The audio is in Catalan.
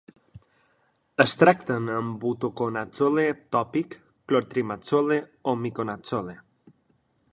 Es tracten amb butoconazole tòpic, clotrimazole o miconazole.